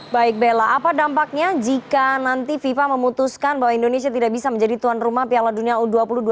baik bella apa dampaknya jika nanti fifa memutuskan bahwa indonesia tidak bisa menjadi tuan rumah piala dunia u dua puluh dua